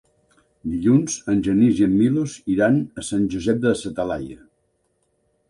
Dilluns en Genís i en Milos iran a Sant Josep de sa Talaia.